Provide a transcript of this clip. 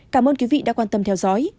cảm ơn quý vị đã quan tâm theo dõi